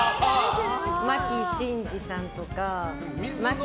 牧伸二さんとか。